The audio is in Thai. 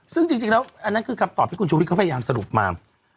ซึ่งจริงแล้วอันนั้นคือคำตอบที่คุณชุวิตเขาพยายามสรุปมา